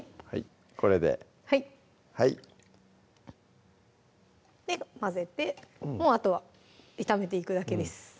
これではい混ぜてもうあとは炒めていくだけです